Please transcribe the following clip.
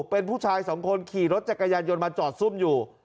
เป็นผู้ชายสองคนขี่รถจักรยานยนต์มาจอดซุ่มอยู่